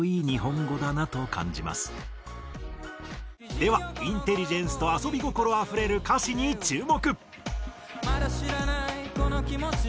ではインテリジェンスと遊び心あふれる歌詞に注目！